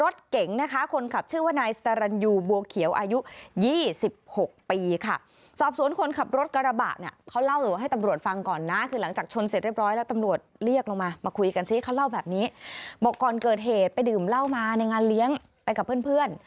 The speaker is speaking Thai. ดื่มเล่ามาในงานเลี้ยงไปกับเพื่อน